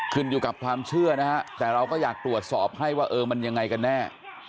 ขึ้นอยู่กับความเชื่อนะฮะแต่เราก็อยากตรวจสอบให้ว่าเออมันยังไงกันแน่